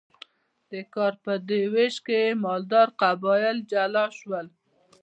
د کار په دې ویش کې مالدار قبایل جلا شول.